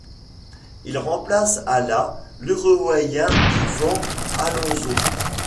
Il remplace à la l'Uruguayen Iván Alonso.